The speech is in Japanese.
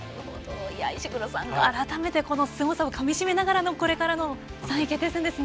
石黒さん、改めてこのすごさをかみしめながらのこれからの３位決定戦ですね。